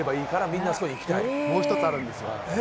もう１つあるんですよ。